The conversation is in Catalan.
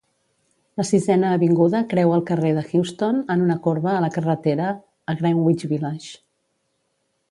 La Sisena avinguda creua el carrer de Houston en una corba a la carretera a Greenwich Village.